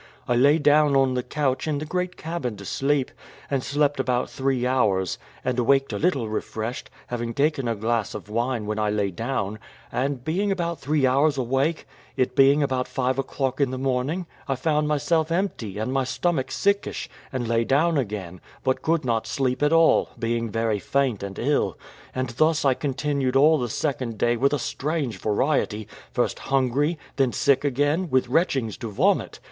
I lay down on the couch in the great cabin to sleep, and slept about three hours, and awaked a little refreshed, having taken a glass of wine when I lay down; after being about three hours awake, it being about five o'clock in the morning, I found myself empty, and my stomach sickish, and lay down again, but could not sleep at all, being very faint and ill; and thus I continued all the second day with a strange variety first hungry, then sick again, with retchings to vomit.